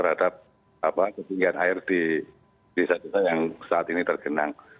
terhadap ketinggian air di desa desa yang saat ini tergenang